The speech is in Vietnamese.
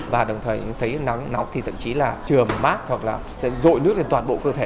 và đồng thời thấy nắng nóng thì thậm chí là trường mát hoặc là rội nước lên toàn bộ cơ thể